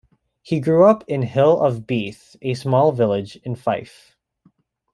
He grew up in Hill of Beath, a small village in Fife.